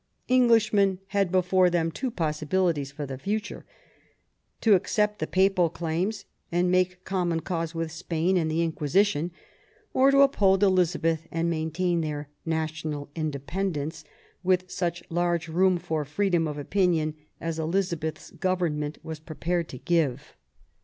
Englishmen had before them two possi bilities for the future : to accept the Papal claims, and make common cause with Spain and the Inquisition ; or to uphold Elizabeth and maintain their national independence, with such large room for freedom of opinion as Elizabeth's government was prepared to give.